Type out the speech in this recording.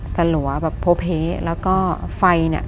สะหรัวแบบโพเพแล้วก็ไฟ